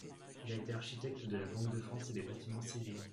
Il a été architecte de la Banque de France et des bâtiments civils.